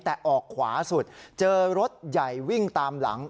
แต่ออกขวาสุดเจอรถใหญ่วิ่งตามหลัง